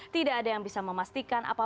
tidak ada yang bisa memastikan apa